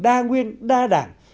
đa nguyên đa đảng